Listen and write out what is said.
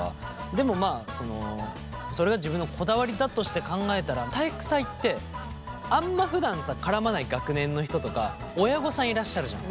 でもまあそのそれが自分のこだわりだとして考えたら体育祭ってあんまふだんさ絡まない学年の人とか親御さんいらっしゃるじゃん。